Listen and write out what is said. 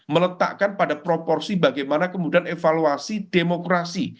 meletakkan pada proporsi bagaimana kemudian evaluasi demokrasi